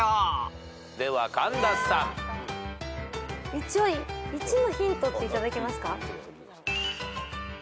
一応１のヒントって頂けますか？